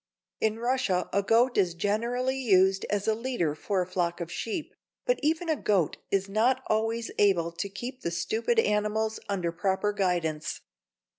In Russia a goat is generally used as a leader for a flock of sheep, but even a goat is not always able to keep the stupid animals under proper guidance.